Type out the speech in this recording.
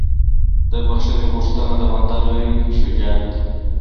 د بښنې غوښتنه د بنده لویه شجاعت ده.